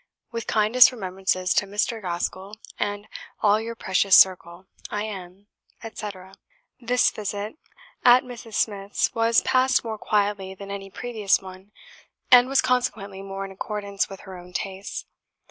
With kindest remembrances to Mr. Gaskell and all your precious circle, I am," etc. This visit at Mrs. Smith's was passed more quietly than any previous one, and was consequently more in accordance with her own tastes.